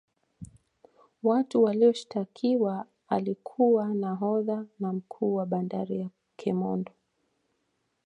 watu Waliyoshitakiwa alikuwa nahodha na mkuu wa bandari ya kemondo